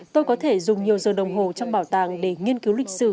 tôi có thể dùng nhiều giờ đồng hồ trong bảo tàng để nghiên cứu lịch sử